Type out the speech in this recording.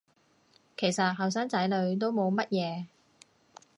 其實後生仔女都冇乜嘢